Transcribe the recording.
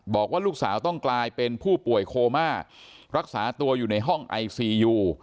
บอกว่าลูกสาวต้องกลายเป็นผู้ป่วยโคม่ารักษาตัวอยู่ในห้องไอซียู